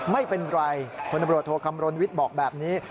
ไม่เป็นไรพลตำรวจโทคำรณวิทย์บอกแบบนี้